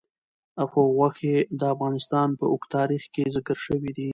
غوښې د افغانستان په اوږده تاریخ کې ذکر شوي دي.